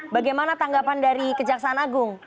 bagaimana tanggapan dari kejaksaan agung